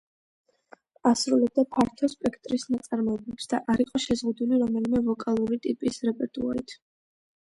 ასრულებდა ფართო სპექტრის ნაწარმოებებს და არ იყო შეზღუდული რომელიმე ვოკალური ტიპის რეპერტუარით.